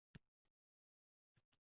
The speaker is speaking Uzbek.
Maslahatingiz uchun tashakkur.